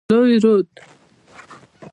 لوی رود.